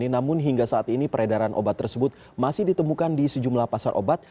namun hingga saat ini peredaran obat tersebut masih ditemukan di sejumlah pasar obat